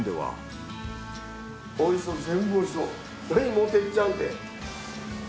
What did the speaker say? もてっちゃんって。